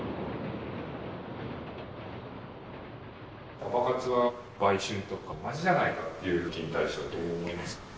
パパ活は売春と同じじゃないかっていう意見に対してはどう思いますか？